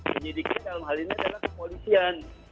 penyidiknya dalam hal ini adalah kepolisian